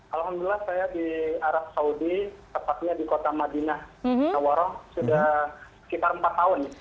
alhamdulillah saya di arab saudi tepatnya di kota madinah nawaroh sudah sekitar empat tahun